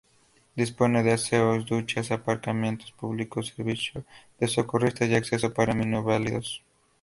Dispone de aseos, duchas, aparcamiento público, servicio de socorristas y acceso para minusválidos.